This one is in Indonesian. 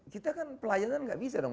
kita kan pelayanan nggak bisa dong